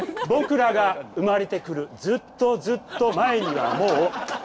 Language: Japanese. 「僕らの生まれてくるずっとずっと前にはもう」